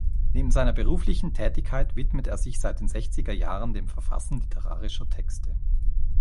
Neben seiner beruflichen Tätigkeit widmet er sich seit den Sechzigerjahren dem Verfassen literarischer Texte.